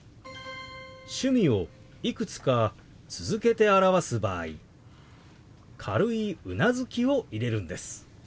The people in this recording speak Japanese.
趣味をいくつか続けて表す場合軽いうなずきを入れるんです。